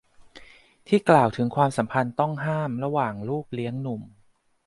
ที่กล่าวถึงความสัมพันธ์ต้องห้ามระหว่างลูกเลี้ยงหนุ่ม